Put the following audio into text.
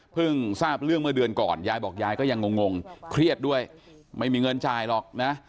ทราบเรื่องเมื่อเดือนก่อนยายบอกยายก็ยังงงเครียดด้วยไม่มีเงินจ่ายหรอกนะ